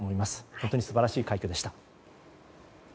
本当に素晴らしい快挙でした。